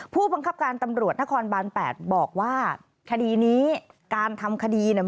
ผู้บังคับการตำรวจนครบาน๘บอกว่าคดีนี้การทำคดีเนี่ย